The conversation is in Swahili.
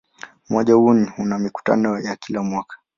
Umoja huu una mikutano ya kila mwaka.